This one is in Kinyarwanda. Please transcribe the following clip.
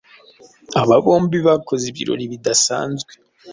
Aba bombi bakoze ibirori bidasanzwe